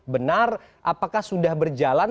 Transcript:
benar apakah sudah berjalan